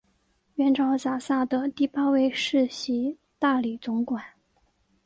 元朝辖下的第八位世袭大理总管。